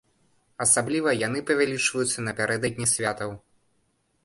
Асабліва яны павялічваюцца напярэдадні святаў.